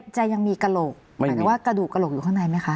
จะยังมีกระโหลกหมายถึงว่ากระดูกกระโหลกอยู่ข้างในไหมคะ